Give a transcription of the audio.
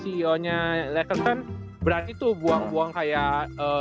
ceo nya lakers kan berani tuh buang buang kayak ee